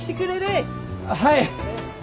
はい！